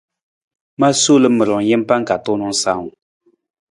Ma sol ma rijang jampa ka tuunang sawung.